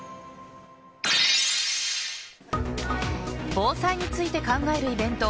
防災について考えるイベント